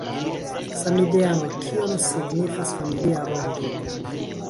Samideano, kion signifas familia rondo